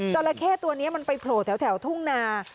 ราเข้ตัวนี้มันไปโผล่แถวทุ่งนา